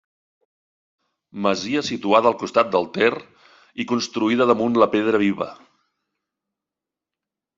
Masia situada al costat del Ter i construïda damunt la pedra viva.